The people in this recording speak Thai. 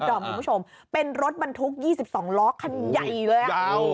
อ๋อคุณผู้ชมเป็นรถบรรทุกยี่สิบสองล้อคันใหญ่เลยอ่ะยาว